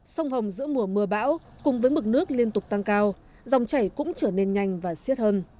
sông hồng giữa mùa mưa bão cùng với mực nước liên tục tăng cao dòng chảy cũng trở nên nhanh và siết hơn